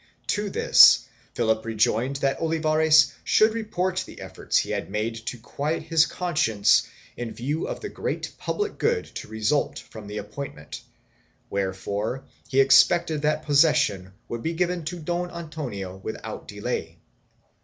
To this Philip rejoined that Olivares would report the efforts he had made to quiet his con science in view of the great public good to result from the ap pointment, wherefore he expected that possession would be given to Don Antonio without delay.